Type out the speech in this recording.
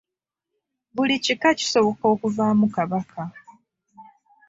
Buli kika kisoboka okuvaamu Kabaka.